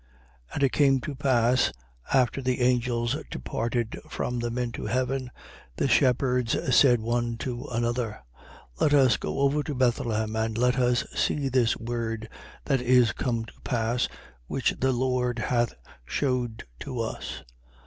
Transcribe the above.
2:15. And it came to pass, after the angels departed from them into heaven, the shepherds said one to another: Let us go over to Bethlehem and let us see this word that is come to pass, which the Lord hath shewed to us.